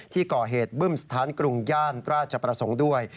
ที่ก่อเหตุบึ้มสถานกรุงย่านราชประสงค์ด้วย